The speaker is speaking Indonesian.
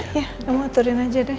iya kamu aturin aja deh